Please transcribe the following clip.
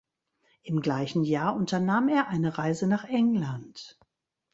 Im gleichen Jahr unternahm er eine Reise nach England.